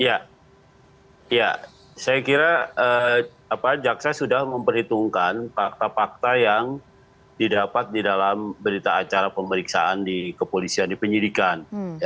ya saya kira jaksa sudah memperhitungkan fakta fakta yang didapat di dalam berita acara pemeriksaan di kepolisian di penyidikan